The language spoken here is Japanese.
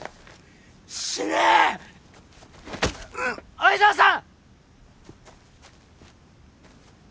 愛沢さん！